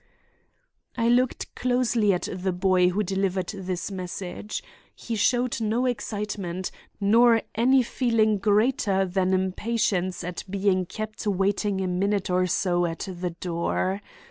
_ "I looked closely at the boy who delivered this message. He showed no excitement, nor any feeling greater than impatience at being kept waiting a minute or so at the door.